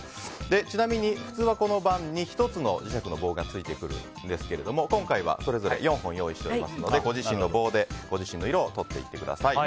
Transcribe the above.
ちなみに、普通は盤に１つの磁石の棒がついてくるんですが今回は、それぞれ４本用意しておりますのでご自身の棒でご自身の色を取っていってください。